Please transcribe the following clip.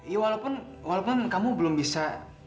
ya walaupun kamu belum bisa